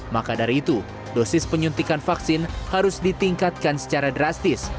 maka dari itu dosis penyuntikan vaksin harus ditingkatkan secara drastis